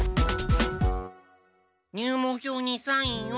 入門票にサインを！